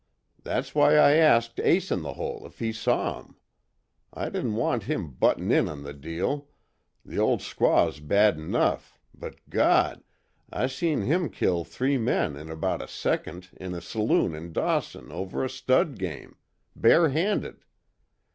That's why I asked Ace In The Hole if he'd saw 'em. I didn't want him buttin' in on the deal the old squaw's bad enough, but Gawd! I seen him kill three men in about a second in a saloon in Dawson over a stud game bare handed.